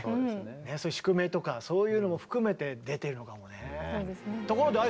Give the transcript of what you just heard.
そういう宿命とかそういうのも含めて出てるのかもね。